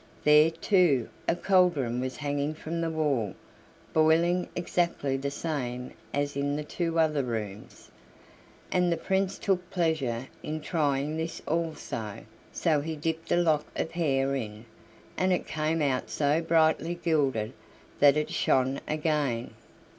There, too, a cauldron was hanging from the wall, boiling, exactly the same as in the two other rooms, and the Prince took pleasure in trying this also, so he dipped a lock of hair in, and it came out so brightly gilded that it shone again.